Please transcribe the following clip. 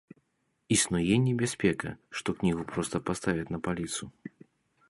Існуе небяспека, што кнігу проста паставяць на паліцу?